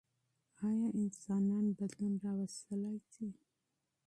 ايا انسانان بدلون راوستلی شي؟